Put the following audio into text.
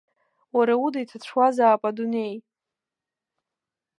Уара уда иҭацәуазаап адунеи!